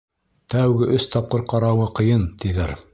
Тәүге өс тапҡыр ҡарауы ҡыйын, тиҙәр.